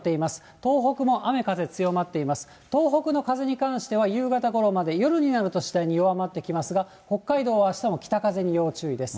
東北の風に関しては、夕方ごろまで、夜になると、次第に弱まってきますが、北海道はあしたも北風に要注意です。